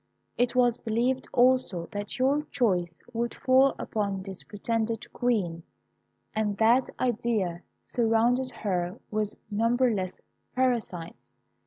It was believed, also, that your choice would fall upon this pretended Queen; and that idea surrounded her with numberless parasites.